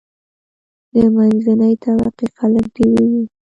د منځنۍ طبقی خلک ډیریږي.